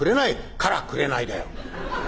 『からくれない』だよ」。